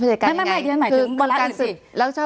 ไม่เดี๋ยนหมายถึงวัลรักษณ์อื่นสิ